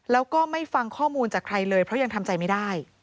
แล้วก็ไม่ฟังข้อมูลจากใครเลยเพราะยังทำใจไม่ได้